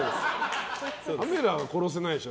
カメラは殺せないでしょ。